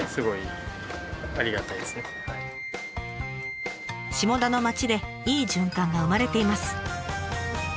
下田の町でいい循環が生まれています。